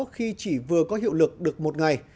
khi chỉ vừa có hiệu lực được một ngày